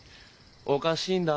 おかしいんだ。